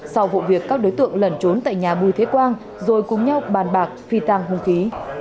sau vụ việc các đối tượng lẩn trốn tại nhà bùi thế quang rồi cùng nhau bàn bạc phi tăng hung khí